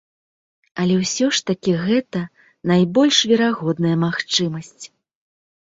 Але ўсё ж такі гэта найбольш верагодная магчымасць.